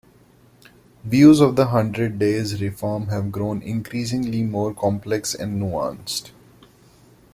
Views of the Hundred Days' Reform have grown increasingly more complex and nuanced.